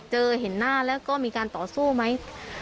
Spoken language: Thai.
เห็นหน้าแล้วก็มีการต่อสู้ไหม